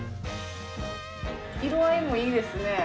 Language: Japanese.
色合いもいいですね。